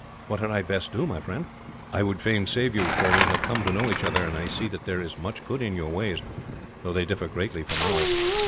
"What had I best do, my friend?" "I would fain save you, for we have come to know each other; and I see that there is much good in your ways, though they differ greatly from ours.